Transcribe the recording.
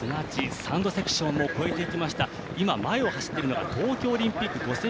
サンドセクションを超えていきました、前を走っているのは東京オリンピック５０００